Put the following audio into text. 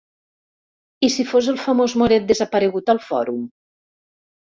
I si fos el famós moret desaparegut al Fòrum?